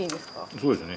そうですね。